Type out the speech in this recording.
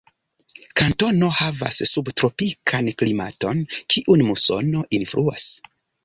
Kantono havas subtropikan klimaton, kiun musono influas.